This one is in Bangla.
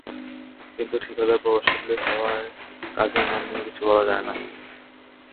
কিন্তু ঠিকাদার প্রভাবশালী হওয়ায় কাজের মান নিয়ে কিছু বলা যায় না।